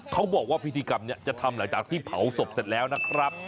เขาบอกว่าพิธีกรรมนี้จะทำหลังจากที่เผาศพเสร็จแล้วนะครับ